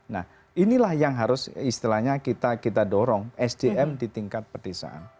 nah inilah yang harus istilahnya kita dorong sdm di tingkat pedesaan